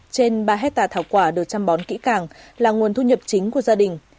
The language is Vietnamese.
trên ba hectare thảo quả được chăm bón kỹ càng là nguồn thu nhập chính của gia đình